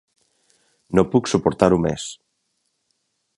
No puc suportar- ho més